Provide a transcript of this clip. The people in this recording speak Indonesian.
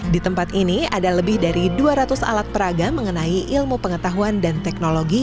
di tempat ini ada lebih dari dua ratus alat peraga mengenai ilmu pengetahuan dan teknologi